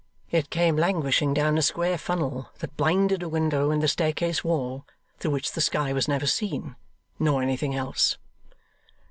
It came languishing down a square funnel that blinded a window in the staircase wall, through which the sky was never seen nor anything else.